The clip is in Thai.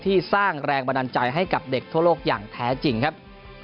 สร้างแรงบันดาลใจให้กับเด็กทั่วโลกอย่างแท้จริงครับ